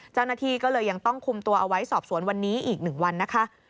เจ้าหน้าที่ก็เลยยังต้องคุมตัวเอาไว้สอบสวนวันนี้อีก๑วันนะคะ